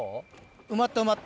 埋まった埋まった。